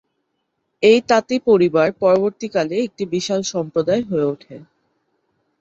এই তাঁতি পরিবার পরবর্তীকালে একটি বিশাল সম্প্রদায় হয়ে ওঠে।